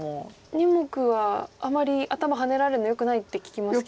２目はあまり頭ハネられるのよくないって聞きますけど。